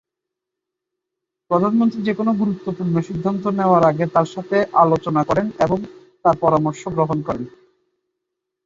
প্রধানমন্ত্রী যেকোনো গুরুত্বপূর্ণ সিদ্ধান্ত নেওয়ার আগে তার সাথে আলোচনা করেন এবং তার পরামর্শ গ্রহণ করেন।